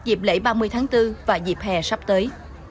dịp lễ ba mươi tháng bốn và dịp hè sắp tới